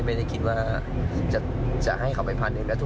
ไม่ได้คิดว่าจะให้เขาไป๑๐๐๐๐๐๐และทุณ